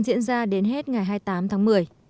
diễn ra đến hết ngày hai mươi tám tháng một mươi